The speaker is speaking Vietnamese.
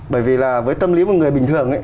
bởi vì là với tâm lý của người bình thường